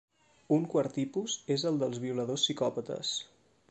Un quart tipus és el dels violadors psicòpates.